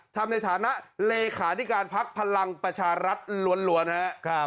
ทำในฐานะเลขาที่การพักผลังประชารัฐล้วนฮะ